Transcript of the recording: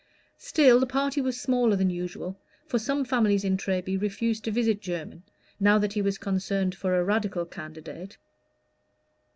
Still the party was smaller than usual, for some families in Treby refused to visit Jermyn, now that he was concerned for a Radical candidate.